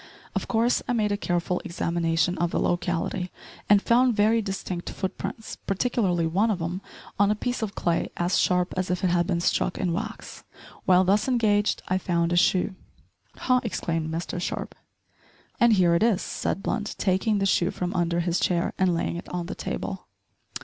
Of course I made a careful examination of the locality, and found very distinct foot prints, particularly one of 'em on a piece of clay as sharp as if it had been struck in wax. While thus engaged I found a shoe " "Ha!" exclaimed Mr Sharp. "And here it is," said Blunt taking the shoe from under his chair and laying it on the table.